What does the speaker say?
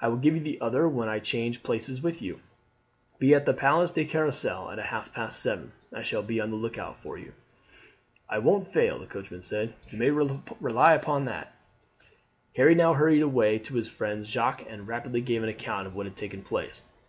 I will give you the other when I change places with you. Be at the Place de Carrousel at half past seven. I shall be on the look out for you. "I won't fail," the coachman said; "you may rely upon that." Harry now hurried away to his friend Jacques, and rapidly gave an account of what had taken place.